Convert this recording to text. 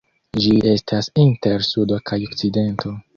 Ĝi estas inter Sudo kaj Okcidento.